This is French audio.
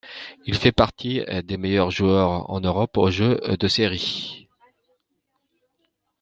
Il fait partie des meilleurs joueurs en Europe aux jeux de série.